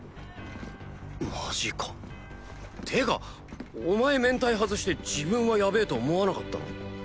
マジかてかお前面体外して自分はヤベえと思わなかったの？